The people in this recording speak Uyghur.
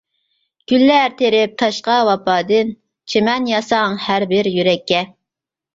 گۈللەر تېرىپ تاشقا ۋاپادىن، چىمەن ياساڭ ھەر بىر يۈرەككە.